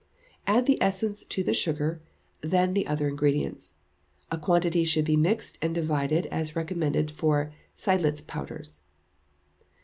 Add the essence to the sugar, then the other ingredients. A quantity should be mixed and divided, as recommended for Seidlitz powders.